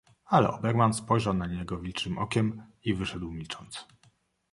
"Ale Oberman spojrzał na niego wilczem okiem i wyszedł, milcząc."